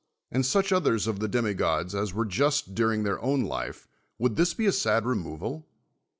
and such others of the demigods as were ju.st during their own life, would this be a sad I'onoval